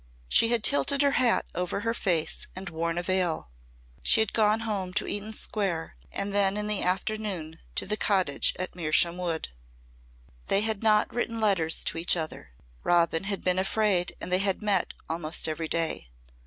She had tilted her hat over her face and worn a veil. She had gone home to Eaton Square and then in the afternoon to the cottage at Mersham Wood. They had not written letters to each other. Robin had been afraid and they had met almost every day.